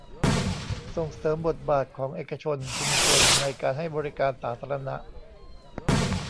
ส่งเสริมบทบาทของเอกชน ชุมชน ในการให้บริการสาธารณะ